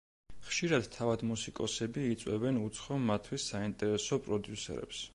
ხშირად, თავად მუსიკოსები იწვევენ უცხო, მათთვის საინტერესო პროდიუსერებს.